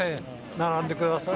並んでください。